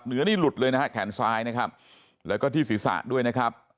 เหนือนี่หลุดเลยนะฮะแขนซ้ายนะครับแล้วก็ที่ศีรษะด้วยนะครับ